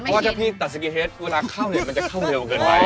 เพราะถ้าพี่ตัดสกิเทสเวลาเข้าหนึ่งมันจะเข้าเร็วกว่าเกินไว้